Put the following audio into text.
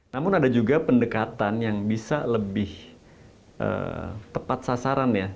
namun ada juga pendekatan yang bisa lebih tepat sasaran ya